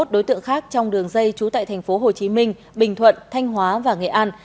hai mươi đối tượng khác trong đường dây trú tại thành phố hồ chí minh bình thuận thanh hóa và nghệ an